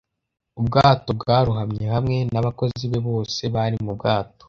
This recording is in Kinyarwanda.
Ubwato bwarohamye hamwe nabakozi be bose bari mu bwato.